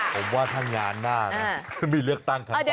ผมว่าถ้างานหน้าเนี่ยมีเลือกตั้งครั้งต่อไปนะ